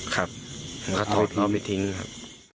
ครับเอาไปทิ้งครับ